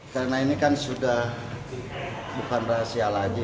karena ini kan sudah bukan rahasia lagi